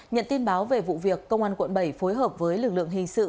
nhận tin báo về vụ việc công an quận bảy phối hợp với lực lượng hình sự